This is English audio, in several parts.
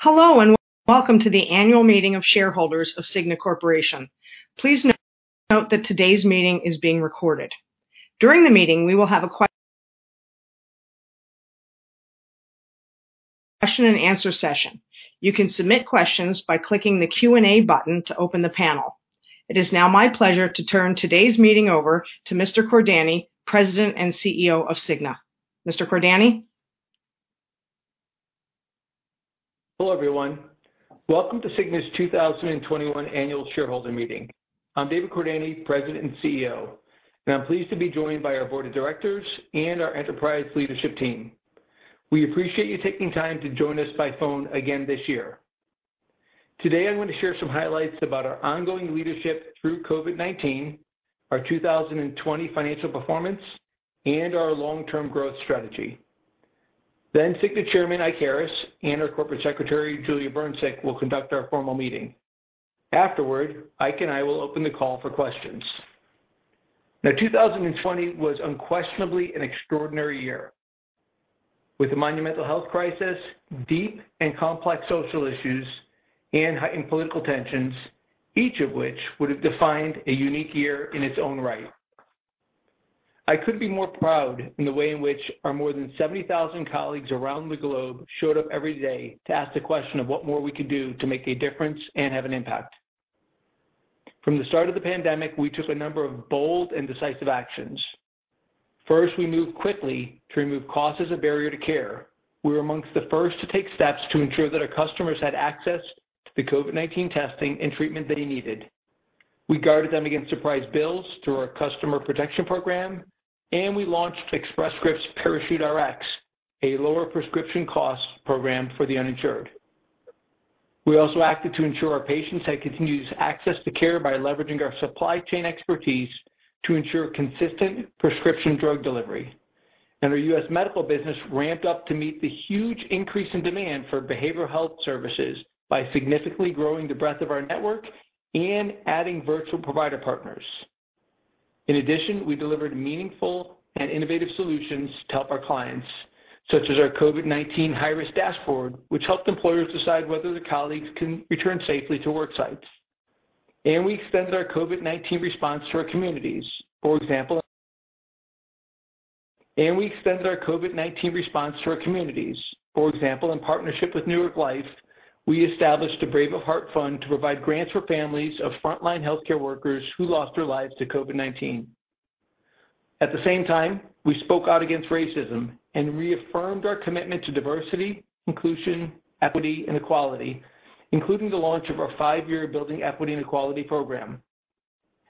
Hello and welcome to the Annual Meeting of Shareholders of Cigna Corporation. Please note that today's meeting is being recorded. During the meeting, we will have a question and answer session. You can submit questions by clicking the Q&A button to open the panel. It is now my pleasure to turn today's meeting over to Mr. Cordani, President and CEO of Cigna. Mr. Cordani. Hello, everyone. Cigna's 2021 annual shareholder meeting. I'm David Cordani, President and CEO, and I'm pleased to be joined by our Board of Directors and our Enterprise Leadership Team. We appreciate you taking time to join us by phone again this year. Today, I'm going to share some highlights about our ongoing leadership through COVID-19, our 2020 financial performance, and our long-term growth strategy. Cigna Chairman Ike Harris and our Corporate Secretary Julia Brncic will conduct our formal meeting. Afterward, Ike and I will open the call for questions. Now, 2020 was unquestionably an extraordinary year, with a monumental health crisis, deep and complex social issues, and heightened political tensions, each of which would have defined a unique year in its own right. I couldn't be more proud in the way in which our more than 70,000 colleagues around the globe showed up every day to ask the question of what more we could do to make a difference and have an impact. From the start of the pandemic, we took a number of bold and decisive actions. First, we moved quickly to remove cost as a barrier to care. We were among the first to take steps to ensure that our customers had access to the COVID-19 testing and treatment they needed. We guarded them against surprise bills through our Customer Protection Program, and we launched Express Scripts Parachute Rx, a lower prescription cost program for the uninsured. We also acted to ensure our patients had continuous access to care by leveraging our supply chain expertise to ensure consistent prescription drug delivery. Our U.S. medical business ramped up to meet the huge increase in demand for behavioral health services by significantly growing the breadth of our network and adding virtual provider partners. In addition, we delivered meaningful and innovative solutions to help our clients, such as our COVID-19 high-risk dashboard, which helped employers decide whether their colleagues can return safely to work sites. We extended our COVID-19 response to our communities. For example, in partnership with New York Life, we established a Brave of Heart Fund to provide grants for families of frontline healthcare workers who lost their lives to COVID-19. At the same time, we spoke out against racism and reaffirmed our commitment to diversity, inclusion, equity, and equality, including the launch of our five-year Building Equity and Equality Program.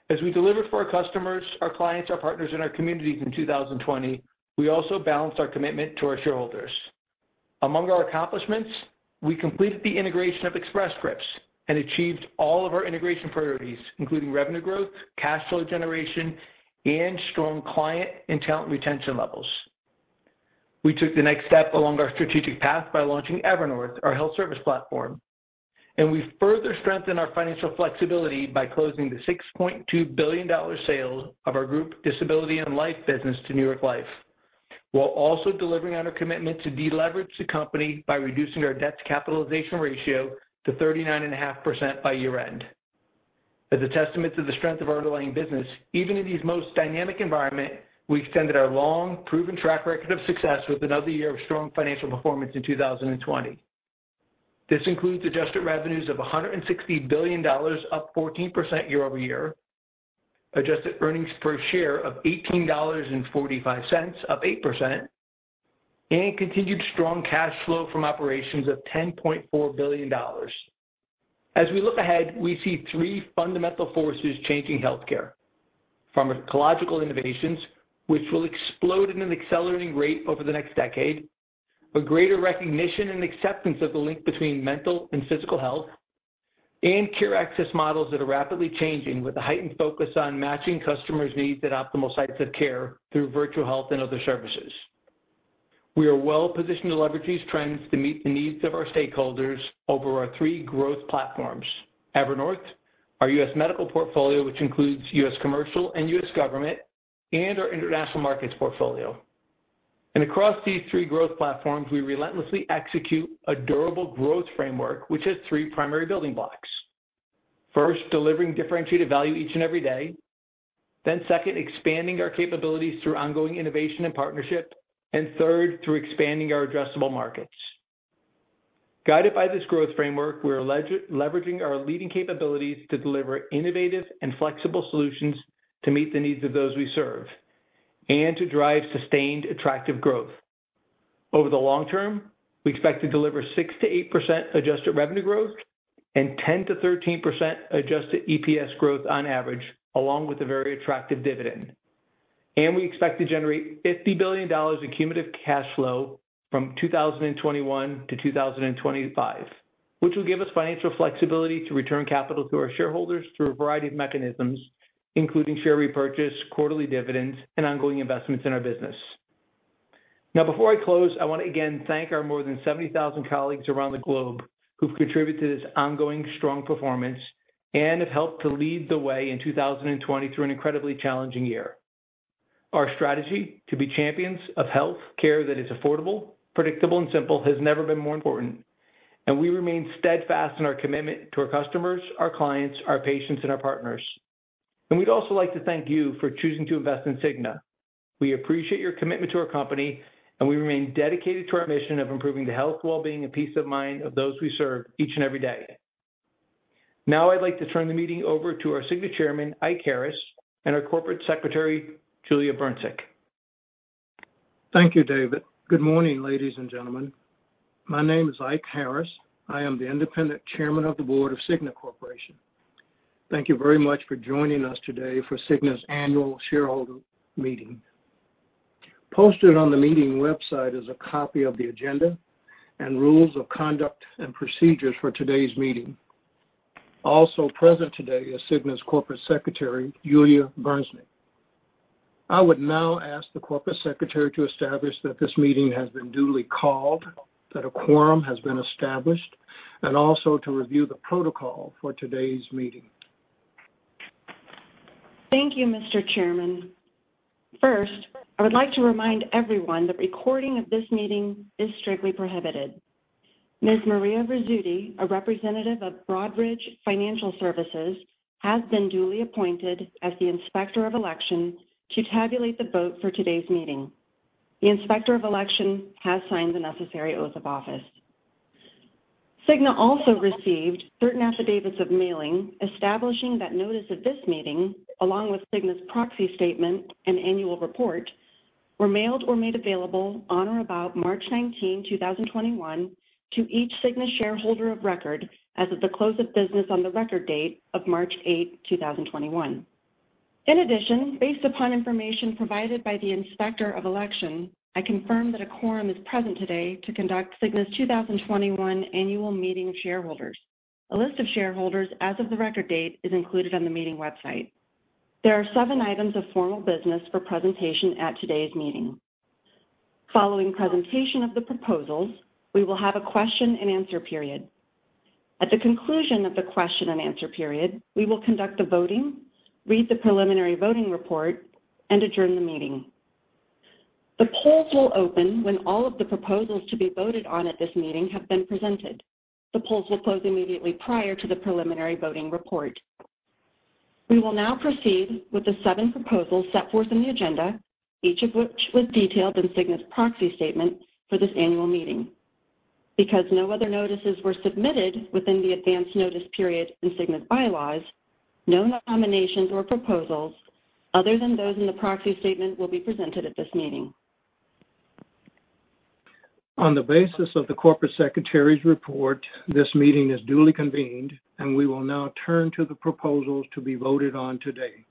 As we delivered for our customers, our clients, our partners, and our communities in 2020, we also balanced our commitment to our shareholders. Among our accomplishments, we completed the integration of Express Scripts and achieved all of our integration priorities, including revenue growth, cash flow generation, and strong client and talent retention levels. We took the next step along our strategic path by launching Evernorth, our health services platform. We further strengthened our financial flexibility by closing the $6.2 billion sale of our group disability and life business to New York Life, while also delivering on our commitment to deleverage the company by reducing our debt-to-capitalization ratio to 39.5% by year-end. As a testament to the strength of our underlying business, even in these most dynamic environments, we extended our long proven track record of success with another year of strong financial performance in 2020. This includes adjusted revenue of $160 billion, up 14% year-over-year, adjusted earning per share of $18.45, up 8%, and continued strong operating cash flow from operations of $10.4 billion. As we look ahead, we see three fundamental forces changing healthcare: pharmacological innovations, which will explode at an accelerating rate over the next decade, a greater recognition and acceptance of the link between mental and physical health, and care access models that are rapidly changing with a heightened focus on matching customers' needs at optimal sites of care through virtual health and other services. We are well-positioned to leverage these trends to meet the needs of our stakeholders over our three growth platforms: Evernorth, our U.S. medical portfolio, which includes U.S. commercial and U.S. government, and our international markets portfolio. Across these three growth platforms, we relentlessly execute a durable growth framework, which has three primary building blocks: first, delivering differentiated value each and every day, second, expanding our capabilities through ongoing innovation and partnership, and third, through expanding our addressable markets. Guided by this growth framework, we're leveraging our leading capabilities to deliver innovative and flexible solutions to meet the needs of those we serve and to drive sustained, attractive growth. Over the long term, we expect to deliver 6%-8% adjusted revenue growth and 10%-13% adjusted EPS growth on average, along with a very attractive dividend. We expect to generate $50 billion in cumulative cash flow from 2021-2025, which will give us financial flexibility to return capital to our shareholders through a variety of mechanisms, including share repurchase, quarterly dividends, and ongoing investments in our business. Before I close, I want to again thank our more than 70,000 colleagues around the globe who've contributed to this ongoing strong performance and have helped to lead the way in 2020 through an incredibly challenging year. Our strategy to be champions of healthcare that is affordable, predictable, and simple has never been more important. We remain steadfast in our commitment to our customers, our clients, our patients, and our partners. We'd also like to thank you for choosing to invest in Cigna. We appreciate your commitment to our company, and we remain dedicated to our mission of improving the health, well-being, and peace of mind of those we serve each and every day. Now, I'd like to turn the meeting over to our Cigna Chairman Ike Harris and our Corporate Secretary Julia Brncic. Thank you, David. Good morning, ladies and gentlemen. My name is Ike Harris. I am the Independent Chairman of the Board of Cigna Corporation. Thank you very much for joining us Cigna's annual shareholder meeting. Posted on the meeting website is a copy of the agenda and rules of conduct and procedures for today's meeting. Also present Cigna's Corporate Secretary, Julia Brncic. I would now ask the Corporate Secretary to establish that this meeting has been duly called, that a quorum has been established, and also to review the protocol for today's meeting. Thank you, Mr. Chairman. First, I would like to remind everyone that recording of this meeting is strictly prohibited. Ms. Maria Verzutti, a representative of Broadridge Financial Services, has been duly appointed as the Inspector of Election to tabulate the vote for today's meeting. The Inspector of Election has signed the necessary oath office. Cigna Corporation also received certain affidavits of mailing establishing that notice of this meeting, Cigna's proxy statement and annual report, were mailed or made available on or about March 19, 2021, each Cigna shareholder of record as of the close of business on the record date of March 8, 2021. In addition, based upon information provided by the Inspector of Election, I confirm that a quorum is present today Cigna's 2021 annual meeting of shareholders. A list of shareholders as of the record date is included on the meeting website. There are seven items of formal business for presentation at today's meeting. Following presentation of the proposals, we will have a question and answer period. At the conclusion of the question and answer period, we will conduct the voting, read the preliminary voting report, and adjourn the meeting. The polls will open when all of the proposals to be voted on at this meeting have been presented. The polls will close immediately prior to the preliminary voting report. We will now proceed with the seven proposals set forth in the agenda, each of which was Cigna's proxy statement for this annual meeting. Because no other notices were submitted within the advance notice period of Cigna's bylaws, no nominations or proposals other than those in the proxy statement will be presented at this meeting. On the basis of the Corporate Secretary's report, this meeting is duly convened, and we will now turn to the proposals to be voted on today.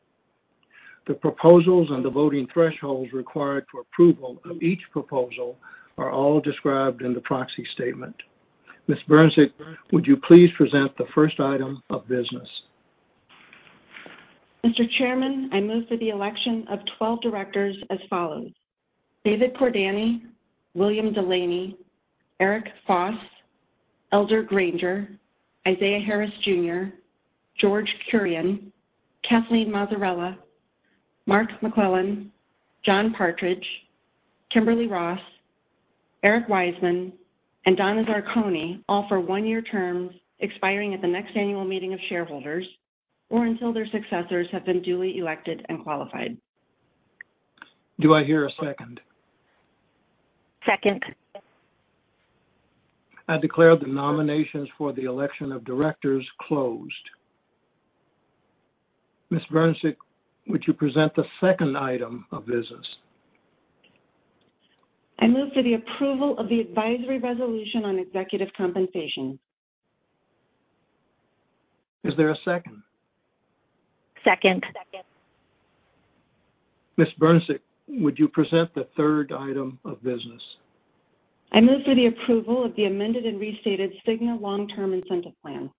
The proposals and the voting thresholds required for approval of each proposal are all described in the proxy statement. Ms. Brncic, would you please present the first item of business? Mr. Chairman, I move for the election of 12 directors as follows: David Cordani, William Delaney, Eric Foss, Elder Granger, Isaiah Harris, Jr., George Kurian, Kathleen Mazzarella, Mark McClellan, John Partridge, Kimberly Ross, Eric Wiseman, and Donna Zarcone, all for one-year terms expiring at the next annual meeting of shareholders or until their successors have been duly elected and qualified. Do I hear a second? Second. I declare the nominations for the election of directors closed. Ms. Brncic, would you present the second item of business? I move for the approval of the advisory resolution on executive compensation. Is there a second? Second. Second. Ms. Brncic, would you present the third item of business? I move for the approval of the amended and restated Cigna long-term incentive plan.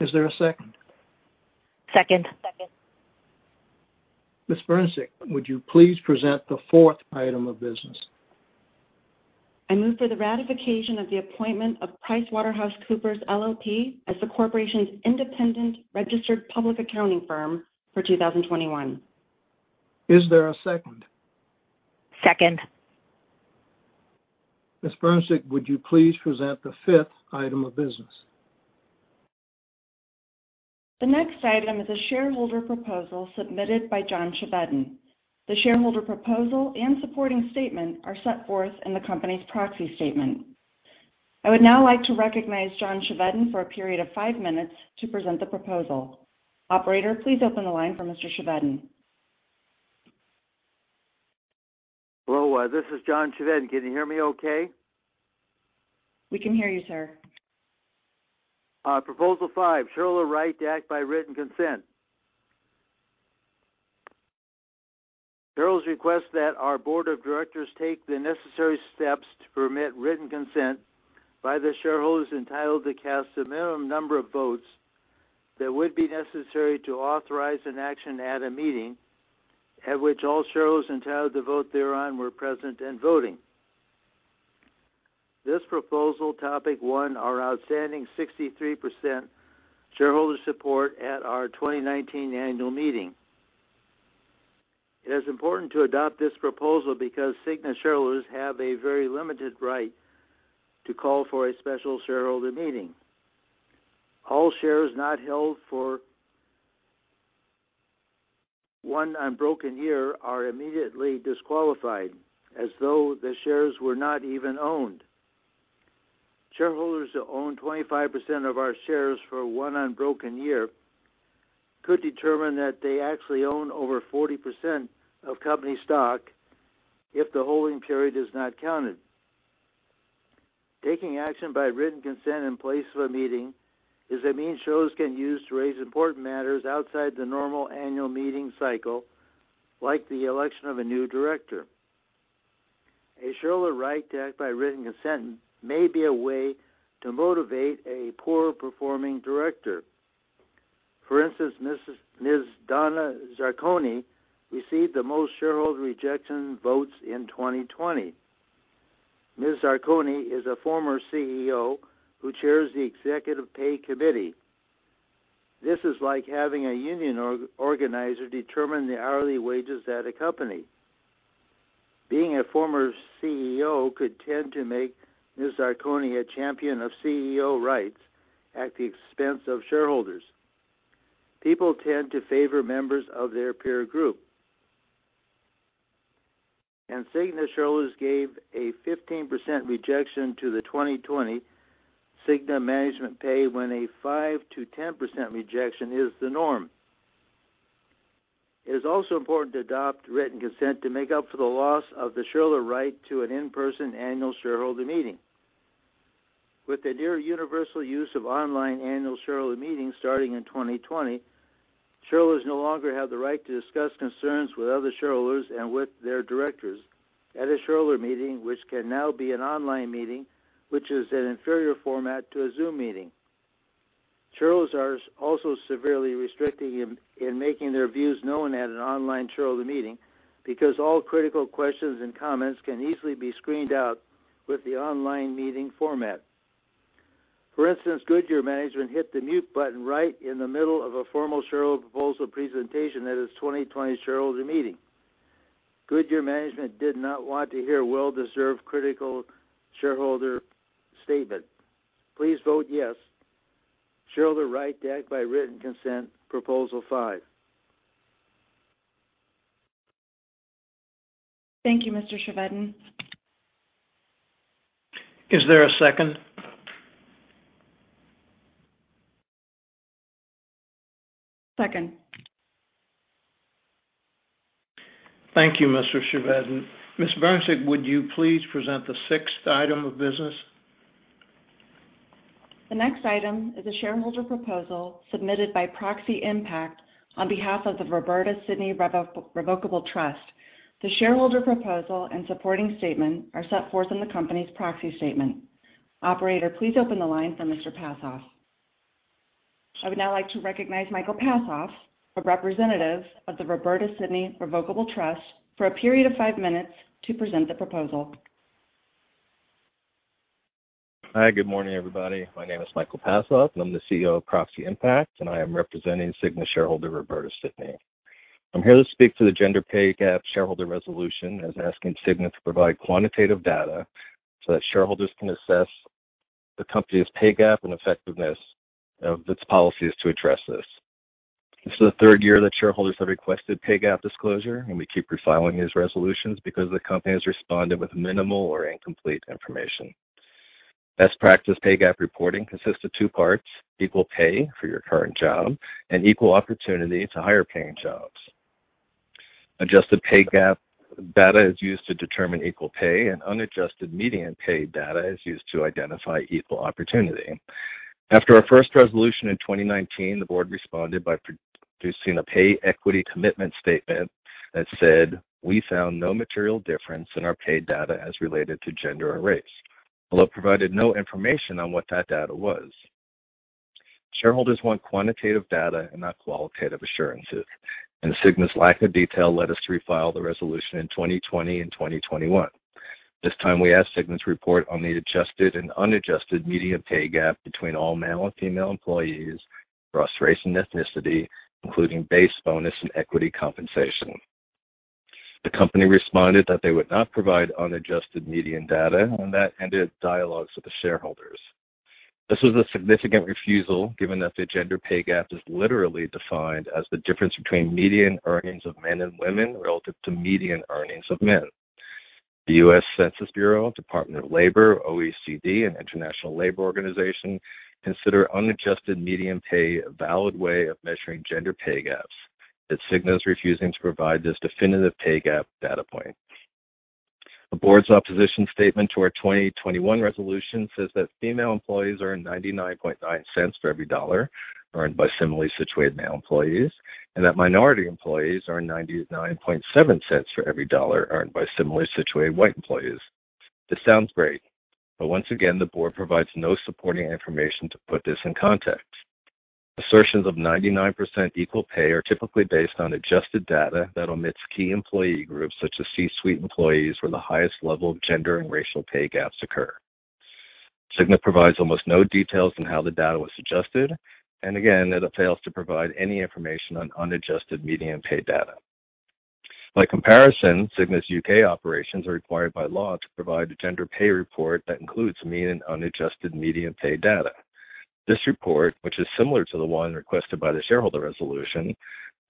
Is there a second? Second. Second. Ms. Brncic, would you please present the fourth item of business? I move for the ratification of the appointment of PricewaterhouseCoopers LLP as the corporation's independent registered public accounting firm for 2021. Is there a second? Second. Ms. Brncic, would you please present the fifth item of business? The next item is a shareholder proposal submitted by John Chevedden. The shareholder proposal and supporting statement are set forth in the company's proxy statement. I would now like to recognize John Chevedden for a period of five minutes to present the proposal. Operator, please open the line for Mr. Chevedden. Hello. This is John Chevedden. Can you hear me okay? We can hear you, sir. Proposal five, Sheryl O'Reid to act by written consent. Sheryl's request that our Board of Directors take the necessary steps to permit written consent by the shareholders entitled to cast a minimum number of votes that would be necessary to authorize an action at a meeting at which all shareholders entitled to vote thereon were present and voting. This proposal topic won our outstanding 63% shareholder support at our 2019 annual meeting. It is important to adopt this proposal because Cigna shareholders have a very limited right to call for a special shareholder meeting. All shares not held for one unbroken year are immediately disqualified as though the shares were not even owned. Shareholders who own 25% of our shares for one unbroken year could determine that they actually own over 40% of company stock if the holding period is not counted. Taking action by written consent in place of a meeting is a means Sheryl can use to raise important matters outside the normal annual meeting cycle, like the election of a new director. A Sheryl O'Reid to act by written consent may be a way to motivate a poor-performing director. For instance, Ms. Donna Zarcone received the most shareholder rejection votes in 2020. Ms. Zarcone is a former CEO who chairs the executive pay committee. This is like having a union organizer determine the hourly wages at a company. Being a former CEO could tend to make Ms. Zarcone a champion of CEO rights at the expense of shareholders. People tend to favor members of their peer group. Cigna shareholders gave a 15% rejection to the 2020 Cigna management pay when a 5%-10% rejection is the norm. It is also important to adopt written consent to make up for the loss of the Sheryl O'Reid to an in-person annual shareholder meeting. With the near universal use of online annual shareholder meetings starting in 2020, shareholders no longer have the right to discuss concerns with other shareholders and with their directors at a shareholder meeting, which can now be an online meeting, which is an inferior format to a Zoom meeting. Shareholders are also severely restricted in making their views known at an online shareholder meeting because all critical questions and comments can easily be screened out with the online meeting format. For instance, Goodyear management hit the mute button right in the middle of a formal shareholder proposal presentation at its 2020 shareholder meeting. Goodyear management did not want to hear a well-deserved critical shareholder statement. Please vote yes, Sheryl O'Reid to act by written consent, proposal five. Thank you, Mr. Chevedden. Is there a second? Second. Thank you, Mr. Chevedden. Ms. Brncic, would you please present the sixth item of business? The next item is a shareholder proposal submitted by Proxy Impact on behalf of the Roberta Sidney Revocable Trust. The shareholder proposal and supporting statement are set forth in the company's proxy statement. Operator, please open the line for Mr. Pasoff. I would now like to recognize Michael Pasoff, a representative of the Roberta Sidney Revocable Trust, for a period of five minutes to present the proposal. Hi, good morning, everybody. My name is Michael Pasoff, and I'm the CEO of Proxy Impact, and I am representing Cigna shareholder Roberta Sidney. I'm here to speak to the gender pay gap shareholder resolution as asking Cigna to provide quantitative data so that shareholders can assess the company's pay gap and effectiveness of its policies to address this. This is the third year that shareholders have requested pay gap disclosure, and we keep refiling these resolutions because the company has responded with minimal or incomplete information. Best practice pay gap reporting consists of two parts: equal pay for your current job and equal opportunity to higher paying jobs. Adjusted pay gap data is used to determine equal pay, and unadjusted median pay data is used to identify equal opportunity. After our first resolution in 2019, the board responded by producing a pay equity commitment statement that said, "We found no material difference in our pay data as related to gender or race," although it provided no information on what that data was. Shareholders want quantitative data and not qualitative assurances, and Cigna's lack of detail led us to refile the resolution in 2020 and 2021. This time, we asked Cigna to report on the adjusted and unadjusted median pay gap between all male and female employees, across race and ethnicity, including base bonus and equity compensation. The company responded that they would not provide unadjusted median data and that ended dialogues with the shareholders. This was a significant refusal, given that the gender pay gap is literally defined as the difference between median earnings of men and women relative to median earnings of men. The U.S. Census Bureau, Department of Labor, OECD, and International Labor Organization consider unadjusted median pay a valid way of measuring gender pay gaps, yet Cigna is refusing to provide this definitive pay gap data point. The board's opposition statement to our 2021 resolution says that female employees earn $0.999 for every dollar earned by similarly situated male employees and that minority employees earn $0.997 for every dollar earned by similarly situated white employees. This sounds great, but once again, the board provides no supporting information to put this in context. Assertions of 99% equal pay are typically based on adjusted data that omits key employee groups, such as C-suite employees, where the highest level of gender and racial pay gaps occur. Cigna provides almost no details on how the data was adjusted, and again, it fails to provide any information on unadjusted median pay data. By comparison, Cigna's U.K. operations are required by law to provide a gender pay report that includes mean and unadjusted median pay data. This report, which is similar to the one requested by the shareholder resolution,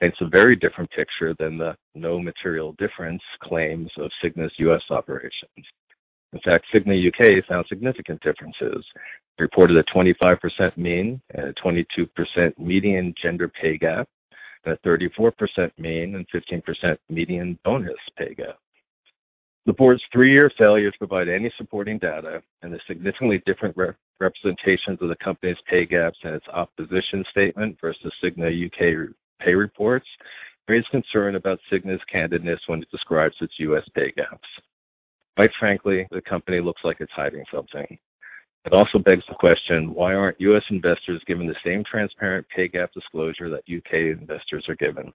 paints a very different picture than the no material difference claims of Cigna's U.S. operations. In fact, Cigna U.K. found significant differences, reported a 25% mean and a 22% median gender pay gap, a 34% mean and 15% median bonus pay gap. The board's three-year failure to provide any supporting data and the significantly different representations of the company's pay gaps in its opposition statement versus Cigna U.K. pay reports raise concern about Cigna's candidness when it describes its U.S. pay gaps. Quite frankly, the company looks like it's hiding something. It also begs the question, why aren't U.S. investors given the same transparent pay gap disclosure that U.K. investors are given?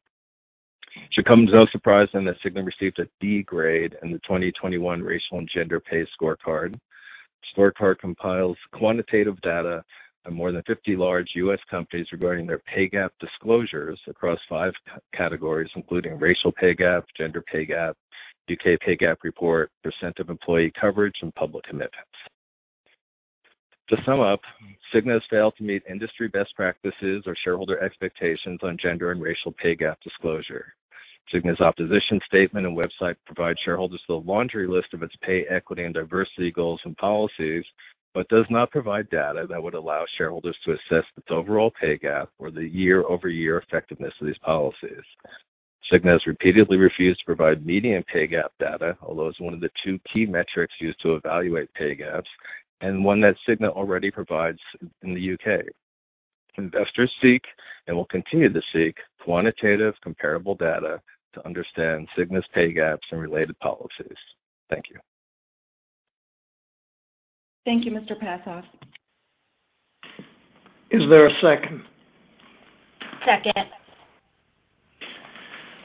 It should come as no surprise then that Cigna received a D grade in the 2021 racial and gender pay scorecard. The scorecard compiles quantitative data on more than 50 large U.S. companies regarding their pay gap disclosures across five categories, including racial pay gap, gender pay gap, U.K. pay gap report, percent of employee coverage, and public commitments. To sum up, Cigna has failed to meet industry best practices or shareholder expectations on gender and racial pay gap disclosure. Cigna's opposition statement and website provide shareholders with a laundry list of its pay equity and diversity goals and policies, but does not provide data that would allow shareholders to assess its overall pay gap or the year-over-year effectiveness of these policies. Cigna has repeatedly refused to provide median pay gap data, although it's one of the two key metrics used to evaluate pay gaps and one that Cigna already provides in the U.K. Investors seek and will continue to seek quantitative comparable data to understand Cigna's pay gaps and related policies. Thank you. Thank you, Mr. Pasoff. Is there a second? Second.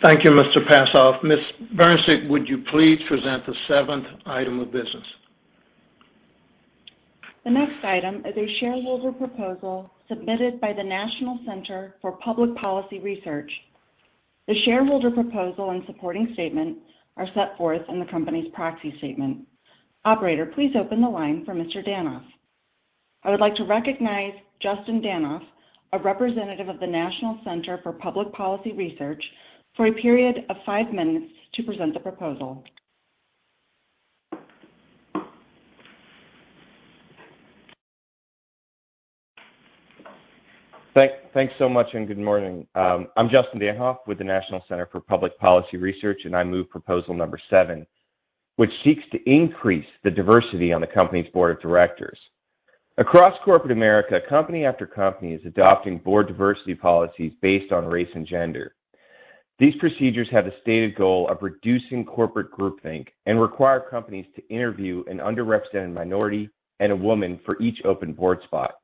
Thank you, Mr. Passoff. Ms. Brncic, would you please present the seventh item of business? The next item is a shareholder proposal submitted by the National Center for Public Policy Research. The shareholder proposal and supporting statement are set forth in the company's proxy statement. Operator, please open the line for Mr. Danhof. I would like to recognize Justin Danhof, a representative of the National Center for Public Policy Research, for a period of five minutes to present the proposal. Thanks so much and good morning. I'm Justin Danhof with the National Center for Public Policy Research, and I move proposal number seven, which seeks to increase the diversity on the company's board of directors. Across corporate America, company after company is adopting board diversity policy based on race and gender. These procedures have the stated goal of reducing corporate groupthink and require companies to interview an underrepresented minority and a woman for each open board spot.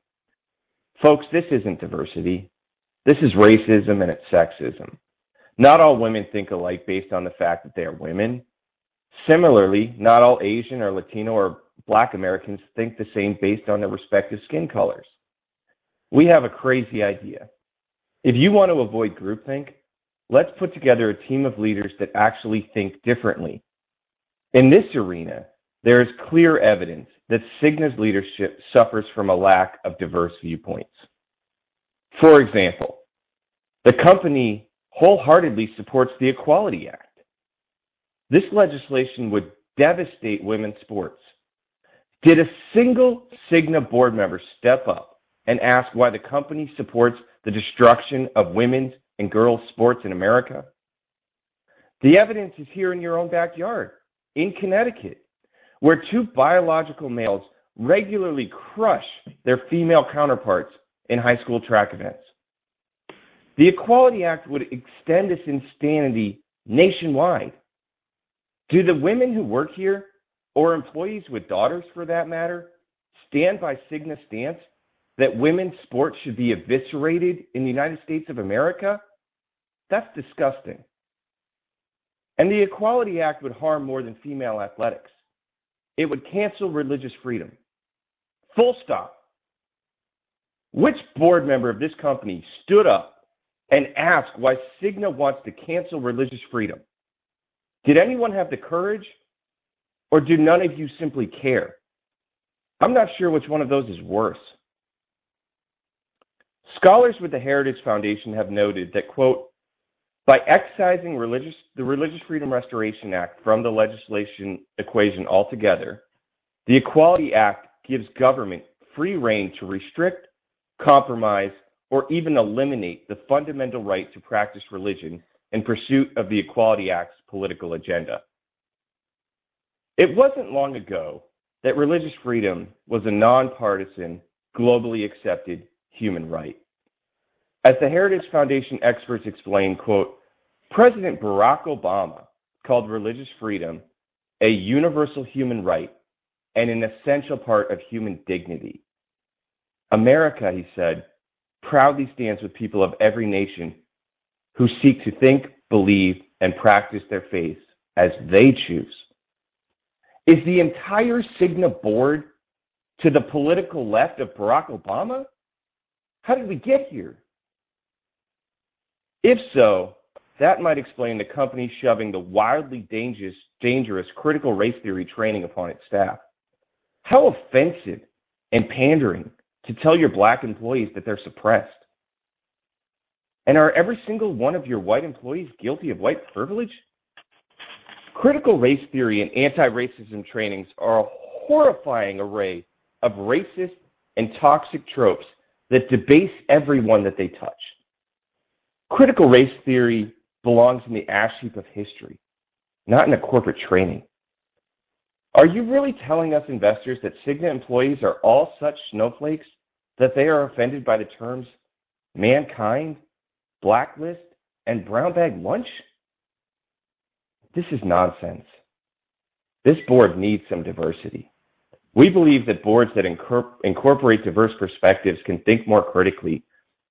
Folks, this isn't diversity. This is racism and it's sexism. Not all women think alike based on the fact that they are women. Similarly, not all Asian or Latino or Black Americans think the same based on their respective skin colors. We have a crazy idea. If you want to avoid groupthink, let's put together a team of leaders that actually think differently. In this arena, there is clear Cigna's leadership suffers from a lack of diverse viewpoints. For example, the company wholeheartedly supports the Equality Act. This legislation would devastate women's sports. Did a single Cigna board member step up and ask why the company supports the destruction of women's and girls' sports in America? The evidence is here in your own backyard in Connecticut, where two biological males regularly crush their female counterparts in high school track events. The Equality Act would extend its insanity nationwide. Do the women who work here or employees with daughters, for that matter, stand by Cigna's stance that women's sports should be eviscerated in the United States of America? That's disgusting. The Equality Act would harm more than female athletics. It would cancel religious freedom. Full stop. Which board member of this company stood up and asked why Cigna wants to cancel religious freedom? Did anyone have the courage? Do none of you simply care? I'm not sure which one of those is worse. Scholars with the Heritage Foundation have noted that, quote, "By excising the Religious Freedom Restoration Act from the legislation equation altogether, the Equality Act gives government free rein to restrict, compromise, or even eliminate the fundamental right to practice religion in pursuit of the Equality Act's political agenda." It wasn't long ago that religious freedom was a nonpartisan, globally accepted human right. As the Heritage Foundation experts explained, quote, "President Barack Obama called religious freedom a universal human right and an essential part of human dignity. America, he said, proudly stands with people of every nation who seek to think, believe, and practice their faith as they choose." Is the entire Cigna board to the political left of Barack Obama? How did we get here? If so, that might explain the company shoving the wildly dangerous critical race theory training upon its staff. How offensive and pandering to tell your Black employees that they're suppressed? Are every single one of your white employees guilty of white privilege? Critical race theory and anti-racism trainings are a horrifying array of racist and toxic tropes that debase everyone that they touch. Critical race theory belongs in the ash heap of history, not in a corporate training. Are you really telling us, investors, that Cigna employees are all such snowflakes that they are offended by the terms "mankind," "blacklist," and "brown bag lunch"? This is nonsense. This board needs some diversity. We believe that boards that incorporate diverse perspectives can think more critically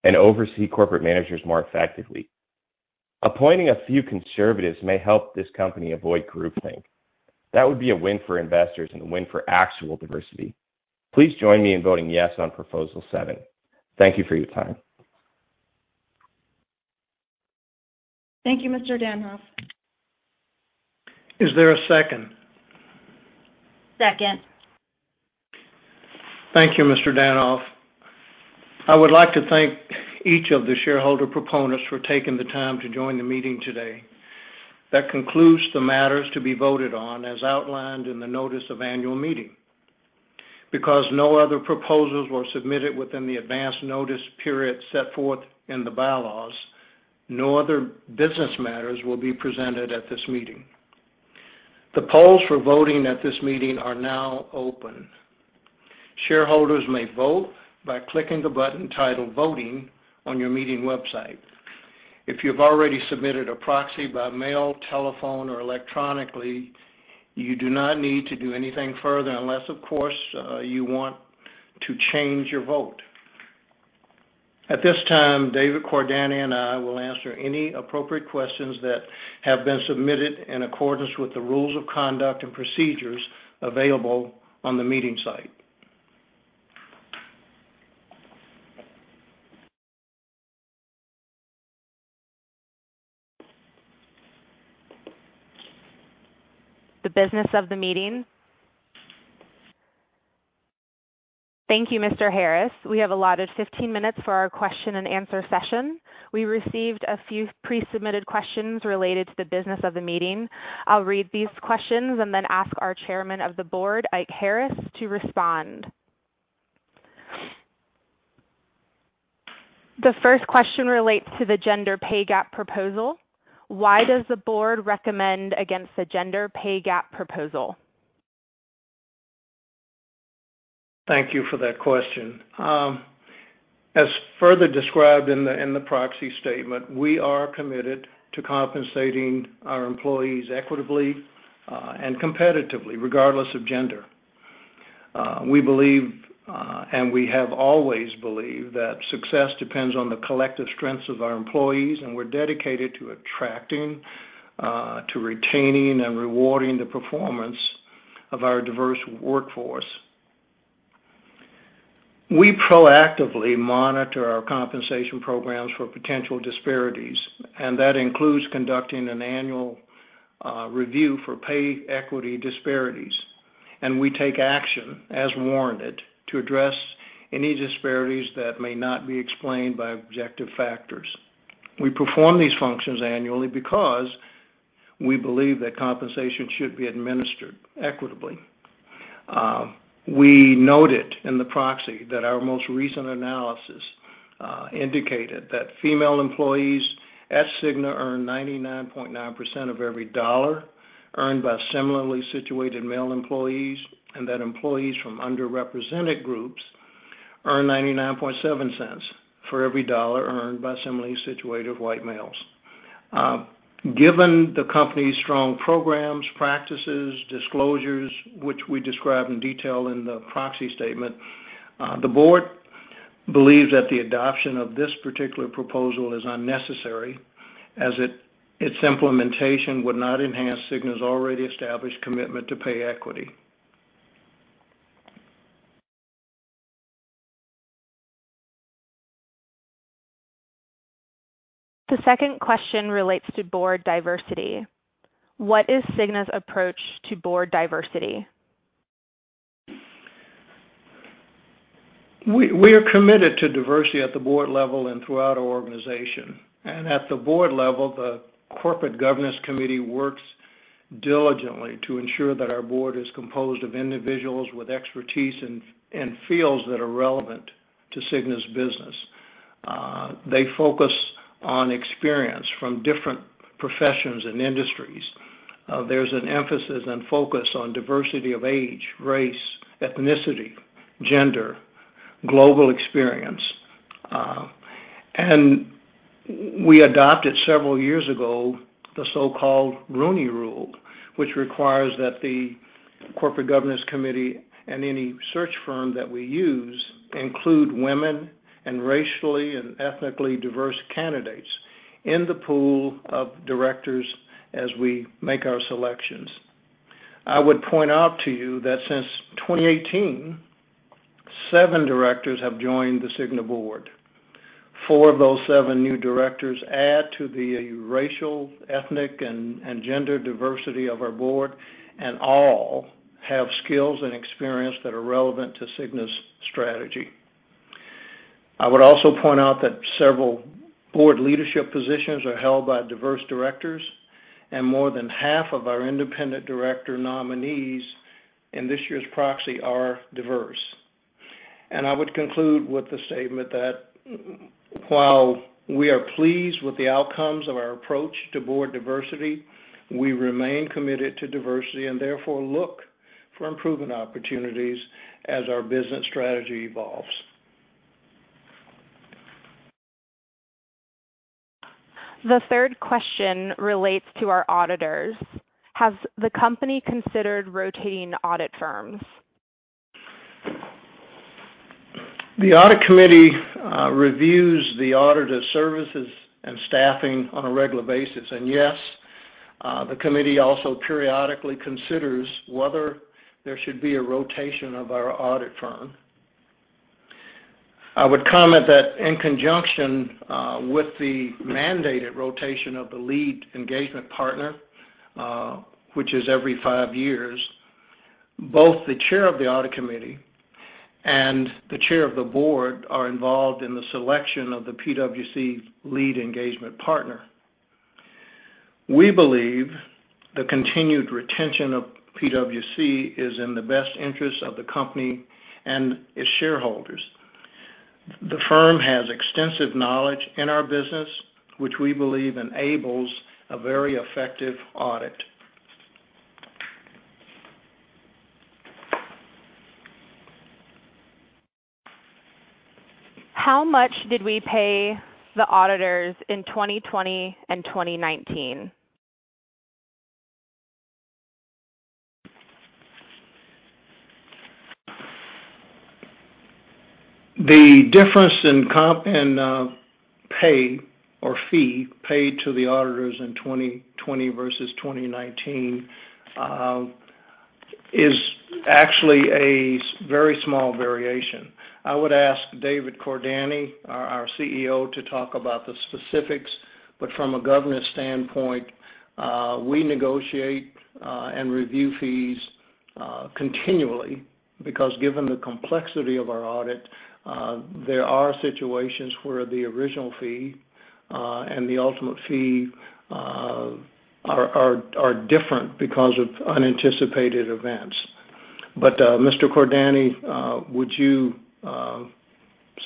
and oversee corporate managers more effectively. Appointing a few conservatives may help this company avoid groupthink. That would be a win for investors and a win for actual diversity. Please join me in voting yes on proposal seven. Thank you for your time. Thank you, Mr. Danhof. Is there a second? Second. Thank you, Mr. Danhof. I would like to thank each of the shareholder proponents for taking the time to join the meeting today. That concludes the matters to be voted on as outlined in the notice of annual meeting. Because no other proposals were submitted within the advance notice period set forth in the bylaws, no other business matters will be presented at this meeting. The polls for voting at this meeting are now open. Shareholders may vote by clicking the button titled "Voting" on your meeting website. If you've already submitted a proxy by mail, telephone, or electronically, you do not need to do anything further unless, of course, you want to change your vote. At this time, David Cordani and I will answer any appropriate questions that have been submitted in accordance with the rules of conduct and procedures available on the meeting site. The business of the meeting. Thank you, Mr. Harris. We have allotted 15 minutes for our question-and-answer session. We received a few pre-submitted questions related to the business of the meeting. I'll read these questions and then ask our Chairman of the Board, Ike Harris, to respond. The first question relates to the gender pay gap proposal. Why does the Board recommend against a gender pay gap proposal? Thank you for that question. As further described in the proxy statement, we are committed to compensating our employees equitably and competitively, regardless of gender. We believe, and we have always believed, that success depends on the collective strengths of our employees, and we're dedicated to attracting, retaining, and rewarding the performance of our diverse workforce. We proactively monitor our compensation programs for potential disparities, including conducting an annual review for pay equity disparities. We take action, as warranted, to address any disparities that may not be explained by objective factors. We perform these functions annually because we believe that compensation should be administered equitably. We noted in the proxy that our most recent analysis indicated that female employees at Cigna earn $0.999 of every dollar earned by similarly situated male employees and that employees from underrepresented groups earn $0.997 for every dollar earned by similarly situated white males. Given the company's strong programs, practices, and disclosures, which we described in detail in the proxy statement, the board believes that the adoption of this particular proposal is unnecessary, as its implementation would not enhance Cigna's already established commitment to pay equity. The second question relates to board diversity. Cigna's approach to board diversity? We are committed to diversity at the board level and throughout our organization. At the board level, the Corporate Governance Committee works diligently to ensure that our board is composed of individuals with expertise in fields that are Cigna Corporation's business. They focus on experience from different professions and industries. There is an emphasis and focus on diversity of age, race, ethnicity, gender, and global experience. We adopted several years ago the so-called Rooney Rule, which requires that the Corporate Governance Committee and any search firm that we use include women and racially and ethnically diverse candidates in the pool of directors as we make our selections. I would point out to you that since 2018, seven directors have Cigna Corporation board. Four of those seven new directors add to the racial, ethnic, and gender diversity of our board, and all have skills and experience that are Cigna's strategy. I would also point out that several board leadership positions are held by diverse directors, and more than half of our independent director nominees in this year's proxy are diverse. I would conclude with the statement that while we are pleased with the outcomes of our approach to board diversity, we remain committed to diversity and therefore look for improvement opportunities as our business strategy evolves. The third question relates to our auditors. Has the company considered rotating audit firms? The Audit Committee reviews the auditor services and staffing on a regular basis. Yes, the committee also periodically considers whether there should be a rotation of our audit firm. I would comment that in conjunction with the mandated rotation of the lead engagement partner, which is every five years, both the Chair of the Audit Committee and the Chair of the Board are involved in the selection of the PWC lead engagement partner. We believe the continued retention of PWC is in the best interests of the company and its shareholders. The firm has extensive knowledge in our business, which we believe enables a very effective audit. How much did we pay the auditors in 2020 and 2019? The difference in pay or fee paid to the auditors in 2020 versus 2019 is actually a very small variation. I would ask David Cordani, our CEO, to talk about the specifics. From a governance standpoint, we negotiate and review fees continually because given the complexity of our audit, there are situations where the original fee and the ultimate fee are different because of unanticipated events. Mr. Cordani, would you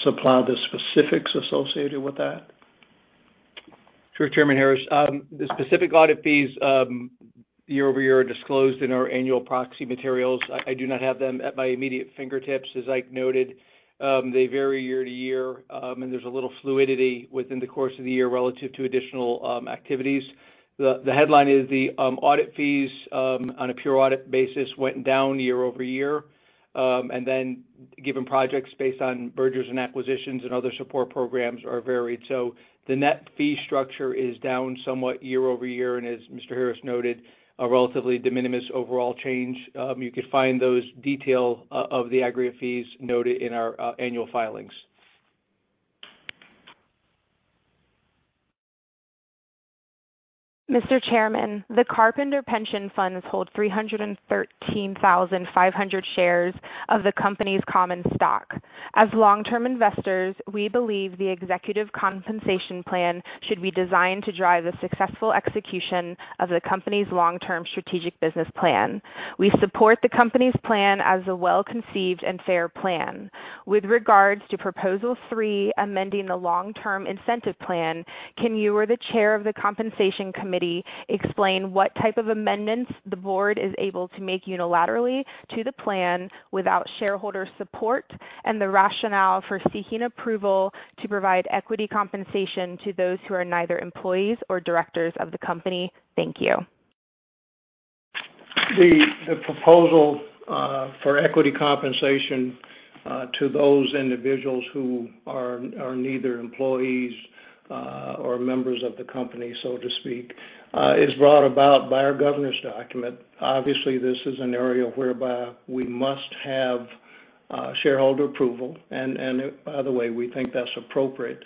supply the specifics associated with that? Sure, Chairman Harris. The specific audit fees year-over-year are disclosed in our annual proxy materials. I do not have them at my immediate fingertips, as Ike noted. They vary year to year, and there's a little fluidity within the course of the year relative to additional activities. The headline is the audit fees on a pure audit basis went down year-over-year. Given projects based on mergers and acquisitions and other support programs are varied. The net fee structure is down somewhat year-over-year, and as Mr. Harris noted, a relatively de minimis overall change. You could find those details of the aggregate fees noted in our annual filings. Mr. Chairman, the Carpenter Pension Funds hold 313,500 shares of the company's common stock. As long-term investors, we believe the executive compensation plan should be designed to drive the successful execution of the company's long-term strategic business plan. We support the company's plan as a well-conceived and fair plan. With regards to proposal three, amending the long-term incentive plan, can you or the Chair of the Compensation Committee explain what type of amendments the board is able to make unilaterally to the plan without shareholder support, and the rationale for seeking approval to provide equity compensation to those who are neither employees nor directors of the company? Thank you. The proposal for equity compensation to those individuals who are neither employees nor members of the company, so to speak, is brought about by our governance document. Obviously, this is an area whereby we must have shareholder approval. By the way, we think that's appropriate.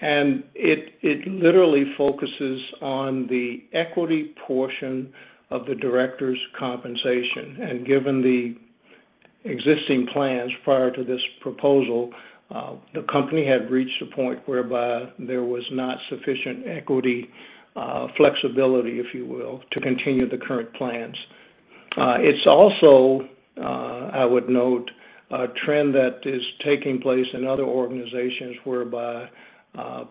It literally focuses on the equity portion of the director's compensation. Given the existing plans prior to this proposal, the company had reached a point whereby there was not sufficient equity flexibility, if you will, to continue the current plans. It is also, I would note, a trend that is taking place in other organizations whereby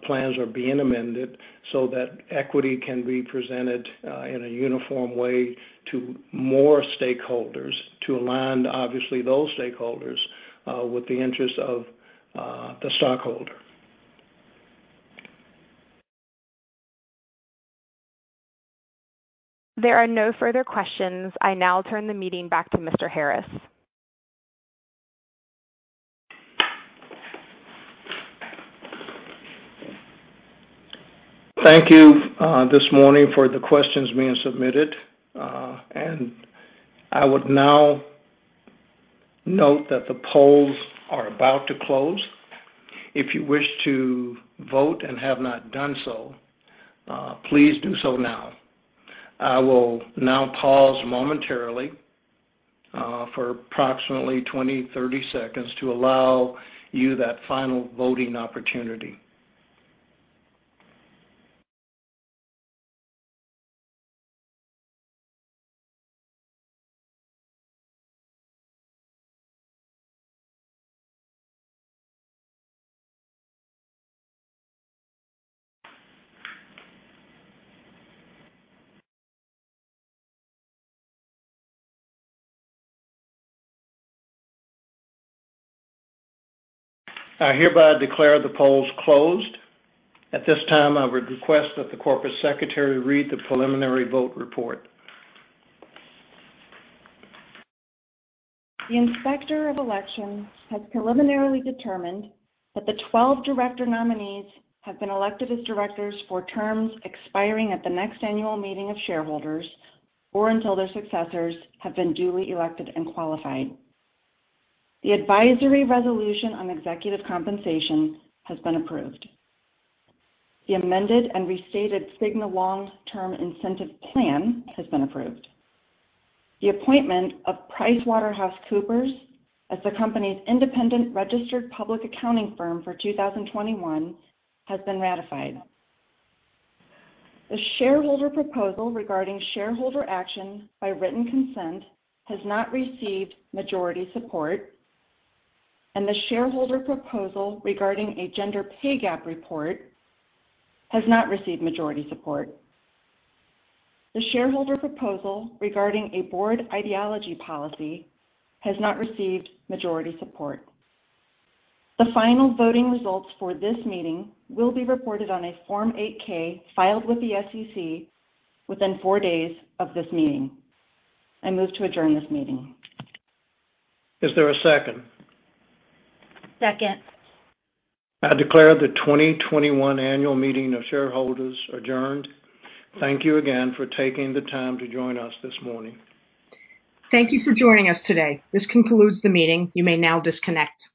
plans are being amended so that equity can be presented in a uniform way to more stakeholders to align, obviously, those stakeholders with the interests of the stockholder. There are no further questions. I now turn the meeting back to Mr. Harris. Thank you this morning for the questions being submitted. I would now note that the polls are about to close. If you wish to vote and have not done so, please do so now. I will now pause momentarily for approximately 20 seconds-30 seconds to allow you that final voting opportunity. I hereby declare the polls closed. At this time, I would request that the Corporate Secretary read the preliminary vote report. The Inspector of Elections has preliminarily determined that the 12 director nominees have been elected as directors for terms expiring at the next annual meeting of shareholders or until their successors have been duly elected and qualified. The advisory resolution on executive compensation has been approved. The amended and restated Cigna long-term incentive plan has been approved. The appointment of PricewaterhouseCoopers as the company's independent registered public accounting firm for 2021 has been ratified. The shareholder proposal regarding shareholder action by written consent has not received majority support, and the shareholder proposal regarding a gender pay gap report has not received majority support. The shareholder proposal regarding a board ideology policy has not received majority support. The final voting results for this meeting will be reported on a Form 8-K filed with the SEC within four days of this meeting. I move to adjourn this meeting. Is there a second? Second. I declare the 2021 annual meeting of shareholders adjourned. Thank you again for taking the time to join us this morning. Thank you for joining us today. This concludes the meeting. You may now disconnect.